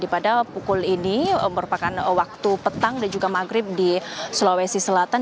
pada pukul ini merupakan waktu petang dan juga maghrib di sulawesi selatan